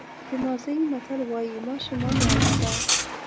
د مازی متل وایي ماشومان رڼا ده.